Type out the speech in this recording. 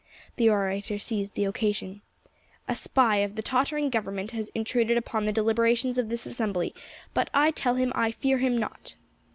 The orator seized the occasion. "A spy of the tottering government has intruded upon the deliberations of this assembly, but I tell him I fear him not."